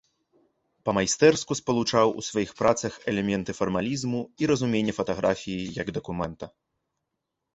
Па-майстэрску спалучаў у сваіх працах элементы фармалізму і разуменне фатаграфіі як дакумента.